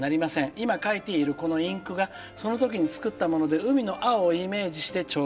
今書いているこのインクがその時に作ったもので海の青をイメージして調合しました。